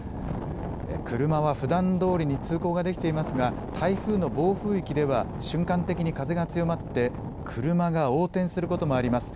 車はふだんどおりに通行ができていますが、台風の暴風域では、瞬間的に風が強まって、車が横転することもあります。